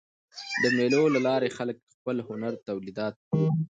د مېلو له لاري خلک خپل هنري تولیدات پلوري.